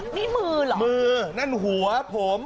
นี่มือเหรอมือนั่นหัวผม